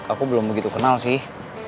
aku belum begitu kenal sih